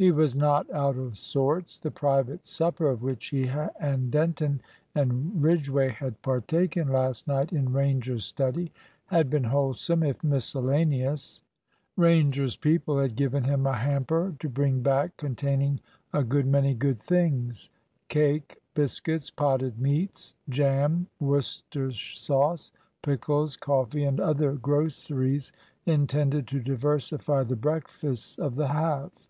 He was not out of sorts. The private supper of which he and Denton and Ridgway had partaken last night in Ranger's study had been wholesome, if miscellaneous. Ranger's people had given him a hamper to bring back, containing a good many good things cake, biscuits, potted meats, jam, Worcester sauce, pickles, coffee, and other groceries intended to diversify the breakfasts of the half.